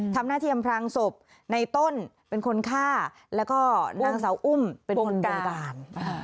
ทำหน้าที่อำพรางศพในต้นเป็นคนฆ่าแล้วก็นางสาวอุ้มเป็นคนบงการ